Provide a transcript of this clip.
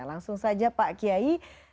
langsung saja pak kiai